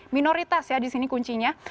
minoritas ya di sini kuncinya